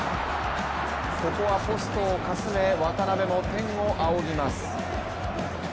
ここはポストをかすめ、渡邊も天を仰ぎます。